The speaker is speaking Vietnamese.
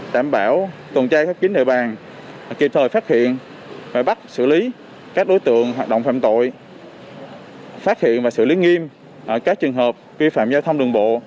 đảm bảo tuần tra khép kính địa bàn kịp thời phát hiện và bắt xử lý các đối tượng hoạt động phạm tội phát hiện và xử lý nghiêm các trường hợp vi phạm giao thông đường bộ